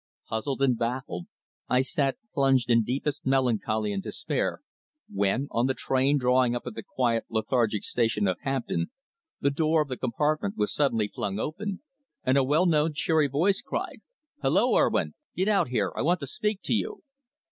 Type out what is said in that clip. Puzzled and baffled, I sat plunged in deepest melancholy and despair, when, on the train drawing up at the quiet, lethargic station of Hampton, the door of the compartment was suddenly flung open, and a well known cheery voice cried "Hullo, Urwin! Get out here. I want to speak to you."